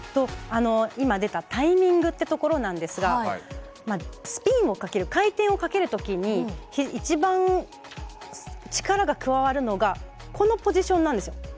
今出たタイミングというところなんですがスピンをかける回転をかけるときに一番、力が加わるのがこのポジションなんですよ。